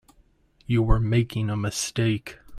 You are making a mistake.